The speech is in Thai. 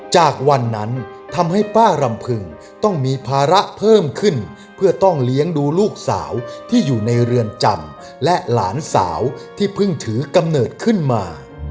จากวันนั้นทำให้ป้ารำพึงต้องมีภาระเพิ่มขึ้นเพื่อต้องเลี้ยงดูลูกสาวที่อยู่ในเรือนจำและหลานสาวที่เพิ่งถือกำเนิดขึ้นมา